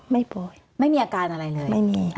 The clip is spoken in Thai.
ไม่ป่วยไม่มีอาการอะไรเลย